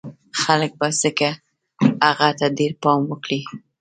خلک به ځکه هغه ته ډېر پام وکړي